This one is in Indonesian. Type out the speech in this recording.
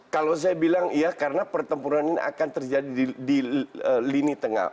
kalau saya bilang iya karena pertempuran ini akan terjadi di lini tengah